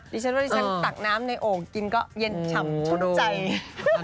ดิฉันว่าดิฉันตักน้ำในโอ่งกินก็เย็นฉ่ำชุดใจ